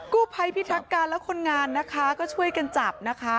กู้ไพพิทักกันแล้วคนงานช่วยกันจับนะคะ